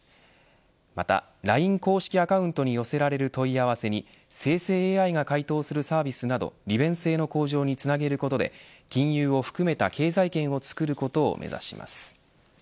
またＬＩＮＥ公式アカウントに寄せられる問い合わせに生成ＡＩが回答するサービスなど利便性の向上につなげることで金融に含めた経済圏をつくることを目指します。